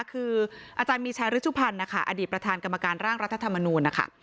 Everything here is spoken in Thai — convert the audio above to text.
คืออาจารย์มีชัยฤชุพันธ์นะคะอดีตประธานกรรมการร่างรัฐธรรมนูญนะคะ